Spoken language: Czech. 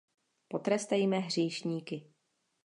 Potrestejme hříšníky.